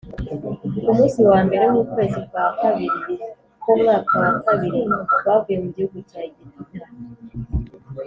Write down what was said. ku munsi wa mbere w’ukwezi kwa kabiri k’umwaka wa kabiri bavuye mu gihugu cya Egiputa